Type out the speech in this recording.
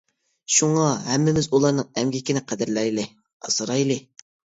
شۇڭا ھەممىمىز ئۇلارنىڭ ئەمگىكىنى قەدىرلەيلى، ئاسرايلى.